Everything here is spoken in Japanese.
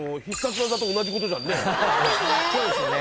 そうですね。